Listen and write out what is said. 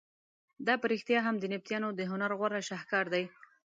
دا په رښتیا هم د نبطیانو د هنر غوره شهکار دی.